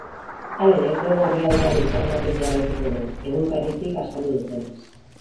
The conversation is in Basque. Halere web orrialdean informatuz jarraituko du, egunkaritik azaldu dutenez.